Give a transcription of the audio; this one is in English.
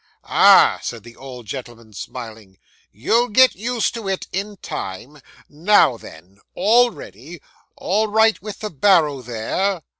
'Ah,' said the old gentleman, smiling, 'you'll get used to it in time. Now then all ready all right with the barrow there?